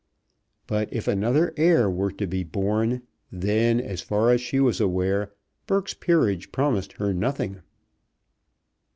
But if another heir were to be born, then, as far as she was aware, Burke's Peerage promised her nothing.